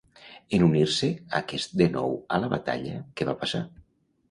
En unir-se aquest de nou a la batalla, què va passar?